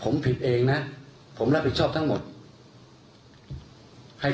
ผมผิดเองนะผมรับผิดชอบทั้งหมดเรียกผิดแรงพูดเอง